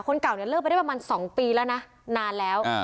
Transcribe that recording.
คนเก่านั้นเลิกไปได้ประมาณสองปีแล้วนะนานแล้ว